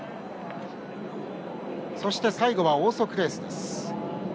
そして最後はオーソクレースです。